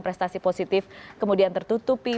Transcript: prestasi positif kemudian tertutupi